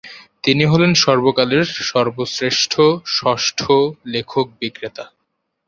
তিনি হলেন সর্বকালের সর্বশ্রেষ্ঠ ষষ্ঠ লেখক বিক্রেতা।